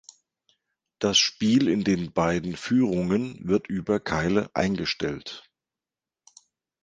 Das Spiel in den beiden Führungen wird über Keile eingestellt.